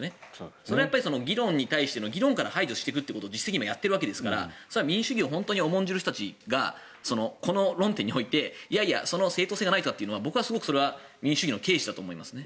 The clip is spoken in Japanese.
それは議論に対しての議論から排除していくことを実質的にやっているわけですから民主主義を重んじる人たちがこの論点においていやいやその正当性がないというのは僕はすごくすれば民主主義の軽視だと思います。